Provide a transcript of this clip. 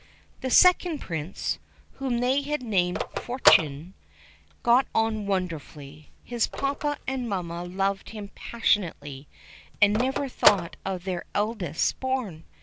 The second Prince, whom they had named Fortuné, got on wonderfully. His papa and mamma loved him passionately, and never thought of their eldest born.